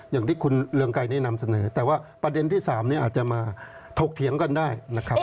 อย่างที่คุณเรืองไกรนี่นำเสนอแต่ว่าประเด็นที่๓เนี่ยอาจจะมาถกเถียงกันได้นะครับ